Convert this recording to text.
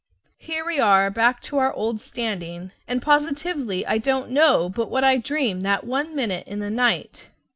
Here we are back on our old standing, and positively I don't know but what I dreamed that one minute in the night!